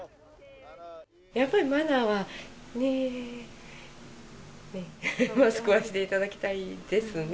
やっぱりマナーはね、マスクはしていただきたいですね。